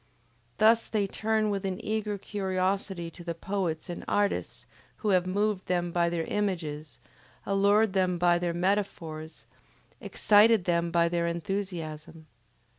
Thus they turn with an eager curiosity to the poets and artists who have moved them by their images, allured them by their metaphors, excited them by their enthusiasm.